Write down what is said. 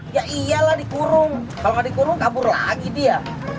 ya iyalah dikurung kalau nggak dikurung kabur lagi dia